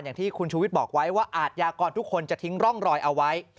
อย่างที่คุณชูวิทย์บอกไว้ว่าอาทยากรทุกคนจะทิ้งร่องรอยเอาไว้